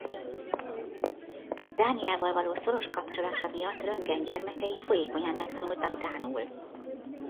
Dániával való szoros kapcsolata miatt Röntgen gyermekei folyékonyan megtanultak dánul.